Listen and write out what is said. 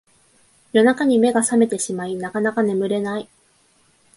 夜中に目が覚めてしまいなかなか眠れない